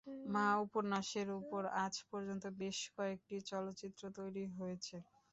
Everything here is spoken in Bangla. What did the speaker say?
মা উপন্যাসের উপর আজ পর্যন্ত বেশ কয়েকটি চলচ্চিত্র তৈরি হয়েছে।